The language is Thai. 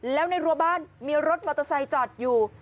แล้วในรัวบ้านมีรถมอเตอร์ไซค์จอดอยู่